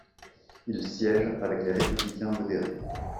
Il siège avec les républicains modérés.